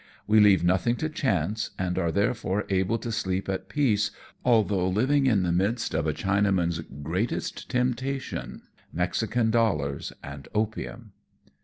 "We leave nothing to chance, and are therefore able to sleep at peace, although living in the midst of a Chinaman's greatest temptation — Mexican dollars and opium."